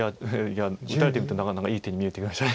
いや打たれてみるとなかなかいい手に見えてきました。